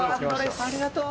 ありがとう！